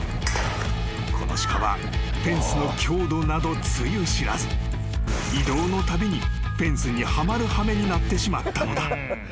［この鹿はフェンスの強度などつゆ知らず移動のたびにフェンスにはまる羽目になってしまったのだ］